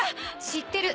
知ってる。